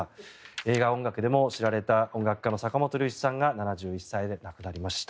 映画音楽でも知られた、作曲家の坂本龍一さんが亡くなりました。